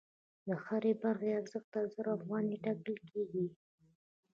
د هرې برخې ارزښت زر افغانۍ ټاکل کېږي